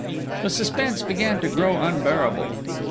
The suspense began to grow unbearable.